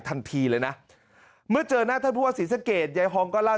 ทันทีเลยนะเมื่อเจอหน้าท่านผู้ว่าศรีสะเกดยายฮองก็เล่า